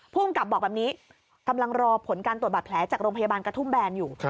ภูมิกับบอกแบบนี้กำลังรอผลการตรวจบาดแผลจากโรงพยาบาลกระทุ่มแบนอยู่